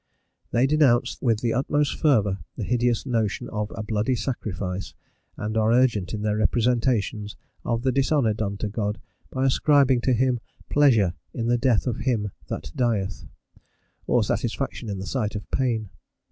They denounce with the utmost fervour the hideous notion of a "bloody sacrifice," and are urgent in their representations of the dishonour done to God by ascribing to him "pleasure in the death of him that dieth," or satisfaction in the sight of pain.